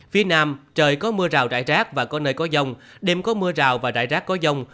phía nam trời có mưa rào rải rác và có nơi có dông đêm có mưa rào và rải rác có dông